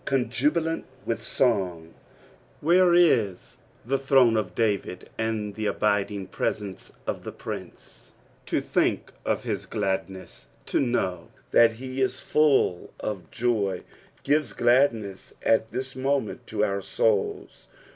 " coDJubilant with song," where is the tlirono of David, and the abiding presence of the Prince ! To think of his gladness, to know that he is full of joy, gives gladness at this moment to out souls.